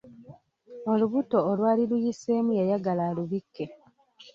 Olubuto olwali luyiseemu yayagala alubikke.